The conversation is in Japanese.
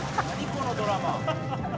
このドラマ。